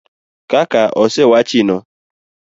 Kaka osewachi no.